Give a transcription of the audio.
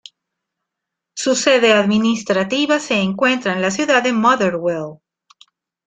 Su sede administrativa se encuentra en la ciudad de Motherwell.